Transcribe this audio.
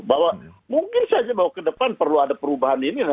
bahwa mungkin saja bahwa ke depan perlu ada perubahan ini